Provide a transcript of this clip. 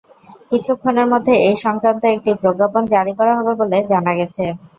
কিছুক্ষণের মধ্যে এ-সংক্রান্ত একটি প্রজ্ঞাপন জারি করা হবে বলে জানা গেছে।